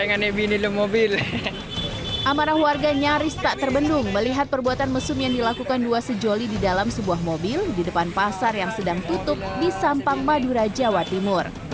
amanah warga nyaris tak terbendung melihat perbuatan mesum yang dilakukan dua sejoli di dalam sebuah mobil di depan pasar yang sedang tutup di sampang madura jawa timur